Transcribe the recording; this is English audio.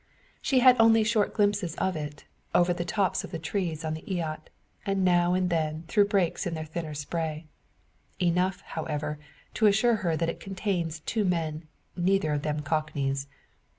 She had only short glimpses of it, over the tops of the trees on the eyot, and now and then through breaks in their thinner spray. Enough, however, to assure her that it contains two men, neither of them cockneys.